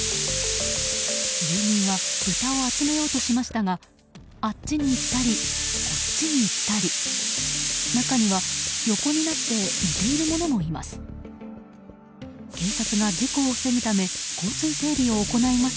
住民は豚を集めようとしましたがあっちに行ったりこっちに行ったり中には横になって寝ているものもいます。